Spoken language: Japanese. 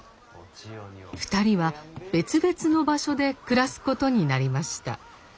２人は別々の場所で暮らすことになりました。